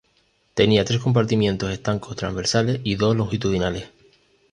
Tenía tres compartimientos estancos transversales y dos longitudinales.